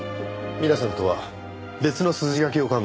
皆さんとは別の筋書きを考えていた。